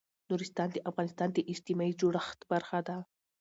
نورستان د افغانستان د اجتماعي جوړښت برخه ده.